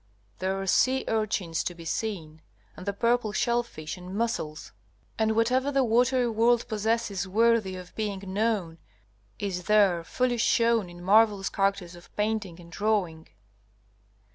There are sea urchins to be seen, and the purple shell fish and mussels; and whatever the watery world possesses worthy of being known is there fully shown in marvellous characters of painting and drawing.